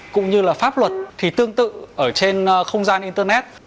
cũng như là pháp luật thì tương tự ở trên không gian internet